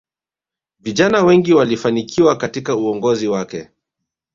viijana wengi walifanikiwa katika uongozi wake